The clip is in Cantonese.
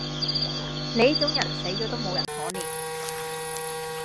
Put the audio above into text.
你呢種人死左都無人可憐